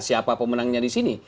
siapa pemenangnya di sini